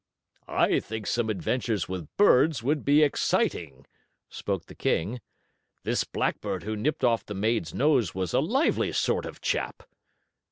"I think some adventures with birds would be exciting," spoke the King. "This blackbird who nipped off the maid's nose was a lively sort of chap."